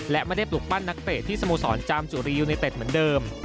และไม่ได้ปลุกปั้นนักเตะที่สโมสรจามจุรียูเนเต็ดเหมือนเดิม